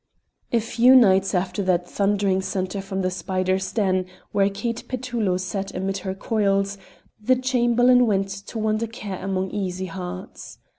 A few nights after that thundering canter from the spider's den where Kate Petullo sat amid her coils, the Chamberlain went to wander care among easy hearts.